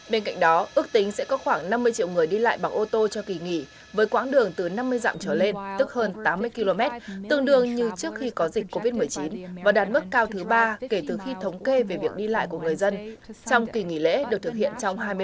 bên cạnh đó ước tính sẽ có khoảng năm mươi triệu người đi lại bằng ô tô cho kỳ nghỉ với quãng đường từ năm mươi dặm trở lên tức hơn tám mươi km tương đương như trước khi có dịch covid một mươi chín và đạt mức cao thứ ba kể từ khi thống kê về việc đi lại của người dân trong kỳ nghỉ lễ được thực hiện trong hai mươi bốn